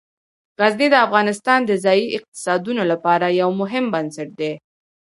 غزني د افغانستان د ځایي اقتصادونو لپاره یو مهم بنسټ دی.